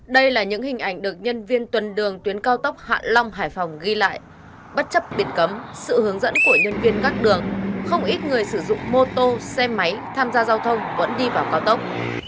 đây là những hình ảnh được nhân viên tuần đường tuyến cao tốc hạ long hải phòng ghi lại bất chấp biệt cấm sự hướng dẫn của nhân viên gắt đường không ít người sử dụng mô tô xe máy tham gia giao thông vẫn đi vào cao tốc